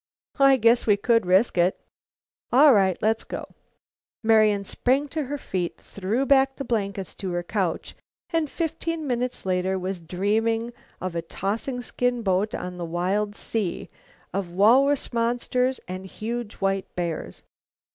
"I guess we could risk it." "All right, let's go." Marian sprang to her feet, threw back the blankets to her couch, and fifteen minutes later was dreaming of a tossing skin boat on a wild sea of walrus monsters and huge white bears.